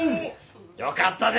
よかったで！